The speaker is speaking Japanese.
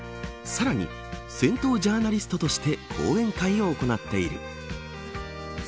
さらに銭湯ジャーナリストとして講演会を行っている。